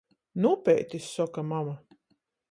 "Nu upeitis," soka mama.